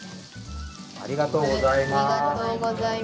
ありがとうございます。